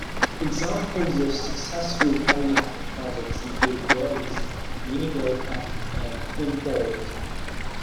Examples of successful Carey Act projects include Boise, Minidoka and Twin Falls.